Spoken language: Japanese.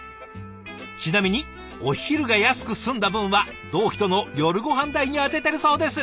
ちなみにお昼が安く済んだ分は同期との夜ごはん代に充ててるそうです。